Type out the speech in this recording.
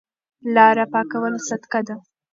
لاره پاکول صدقه ده.